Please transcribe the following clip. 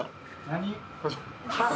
何？